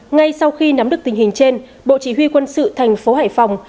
ngay sau khi nắm được tình hình trên bộ chỉ huy quân sự thành phố hải phòng